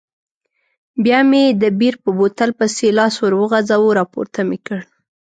بیا مې د بیر په بوتل پسې لاس وروغځاوه، راپورته مې کړ.